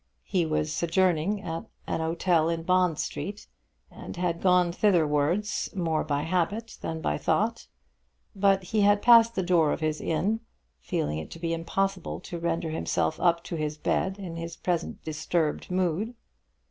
He was sojourning at an hotel in Bond Street, and had gone thitherwards more by habit than by thought; but he had passed the door of his inn, feeling it to be impossible to render himself up to his bed in his present disturbed mood.